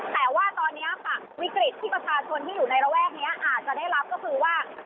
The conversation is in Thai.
แต่ว่าตอนนี้ค่ะวิกฤตที่ประชาชนที่อยู่ในระแวกนี้อาจจะได้รับก็คือว่า